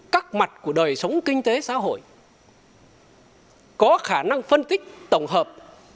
các mặt của đời sống kinh tế xã hội có khả năng phân tích tổng hợp